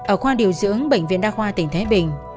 ở khoa điều dưỡng bệnh viện đa khoa tỉnh thái bình